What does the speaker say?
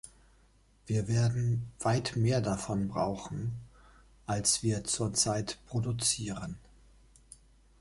Wir werden weit mehr davon brauchen, als wir zur Zeit produzieren.